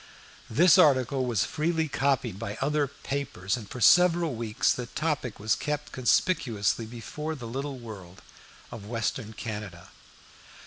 This article was freely copied by other papers, and for several weeks the topic was kept conspicuously before the little world of western Canada.